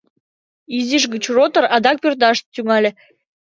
Изиш гыч ротор адак пӧрдаш тӱҥале.